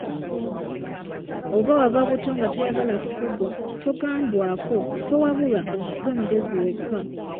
Oba wava buto nga toyagala kufugwa, togambwako, towabulwa, ggwe mugezi wekka.